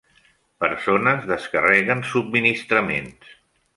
Persones descarreguen subministraments